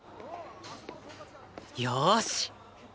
よし！